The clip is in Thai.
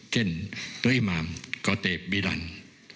เช่นตุ๊ยมามกตเตบบิรันดิ์